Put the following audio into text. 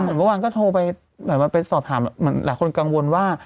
เหมือนเมื่อวานก็โทรไปสอบถามหลายคนกังวลว่า